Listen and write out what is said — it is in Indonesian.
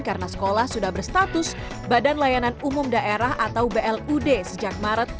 karena sekolah sudah berstatus badan layanan umum daerah atau blud sejak maret dua ribu dua puluh dua